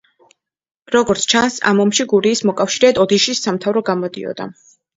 როგორც ჩანს, ამ ომში გურიის მოკავშირედ ოდიშის სამთავრო გამოდიოდა.